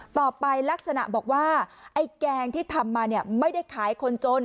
ลักษณะบอกว่าไอ้แกงที่ทำมาเนี่ยไม่ได้ขายคนจน